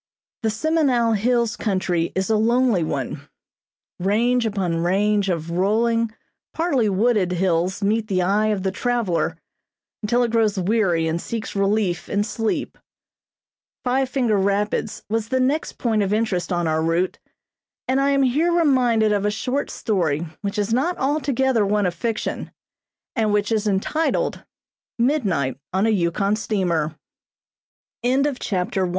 The Semenow Hills country is a lonely one. Range upon range of rolling, partly wooded, hills meet the eye of the traveler until it grows weary and seeks relief in sleep. Five Finger Rapids was the next point of interest on our route, and I am here reminded of a short story which is not altogether one of fiction, and which is entitled: Midnight on a Yukon St